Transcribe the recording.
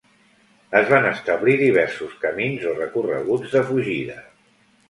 Es van establir diversos camins o recorreguts de fugida.